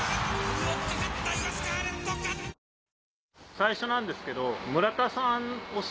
最初なんですけど。